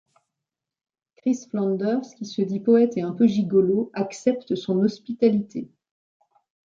Chris Flanders, qui se dit poète et un peu gigolo, accepte son hospitalité.